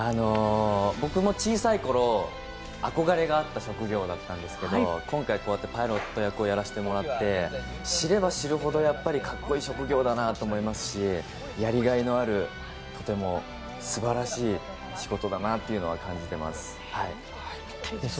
僕も小さいころ憧れがあった職業だったんですが今回、パイロット役をやらせてもらって知れば知るほど格好いい職業だなと思いますしやりがいのあるとても素晴らしい仕事だなと感じています。